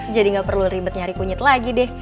jadi gak perlu ribet nyari kunyit lagi deh